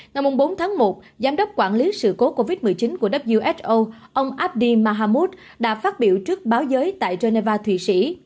năm bốn tháng một giám đốc quản lý sự cố covid một mươi chín của who ông abdi mahmoud đã phát biểu trước báo giới tại geneva thụy sĩ